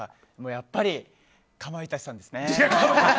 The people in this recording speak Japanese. やっぱり、かまいたちさんですね。